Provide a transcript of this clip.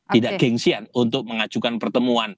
tidak gengsian untuk mengajukan pertemuan